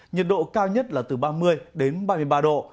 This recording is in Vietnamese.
nhiệt độ cao nhất là từ ba mươi đến ba mươi ba độ